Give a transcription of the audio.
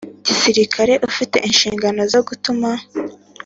Gisirikare ufite inshingano zo gutuma